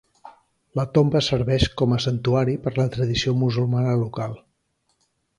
La tomba serveix com a santuari per la tradició musulmana local.